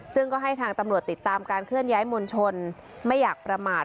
ซึ่งก็ให้ทางตำรวจติดตามการเคลื่อนย้ายมวลชนไม่อยากประมาท